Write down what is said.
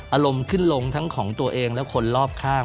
อารมณ์ขึ้นลงทั้งของตัวเองและคนรอบข้าง